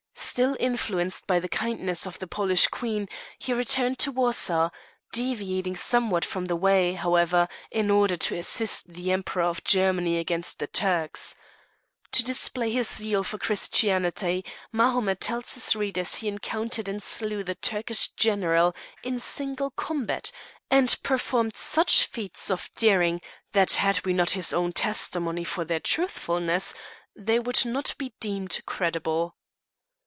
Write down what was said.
Still influenced by the kindness of the Polish Queen, he returned to Warsaw, deviating somewhat from the way, however, in order to assist the Emperor of Germany against the Turks. To display his zeal for Christianity, Mahomet tells his readers he encountered and slew the Turkish general in single combat, and performed such feats of daring, that had we not his own testimony for their truthfulness, they would not be deemed credible.